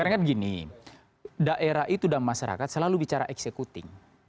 karena kan gini daerah itu dan masyarakat selalu bicara executing